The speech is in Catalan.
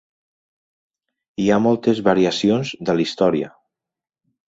Hi ha moltes variacions de la història.